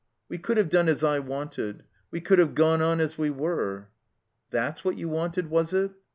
"We could have done as I wanted. We could have gone on as we were." That's what you wanted, was it?'